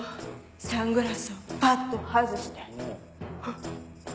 サングラスをパッと外してはっ